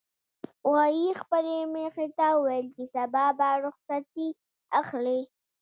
غویي خپلې میښې ته وویل چې سبا به رخصتي اخلي.